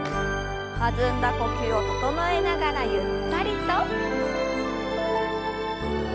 弾んだ呼吸を整えながらゆったりと。